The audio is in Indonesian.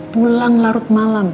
pulang larut malam